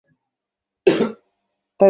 উনি প্রেস-মিট ডেকে এটাকে জাতীয় হেডলাইন বানাবে।